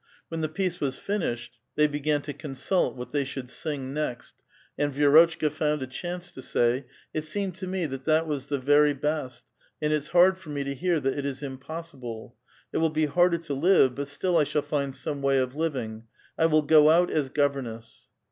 When the piece was finished, they began to consult what they should sing next, and Vi6rotchka found a chance to say :—*' It seemed to me that that was the verv best, and it's hard for me to hear that it is impossible. It will be harder to live, hut still I shall find some way of living ; I will go out as governess."